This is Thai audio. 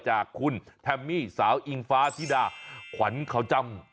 จากคุณแธมมี่สาวอิงฟ้าที่ด่าขวัญเกาต์จำ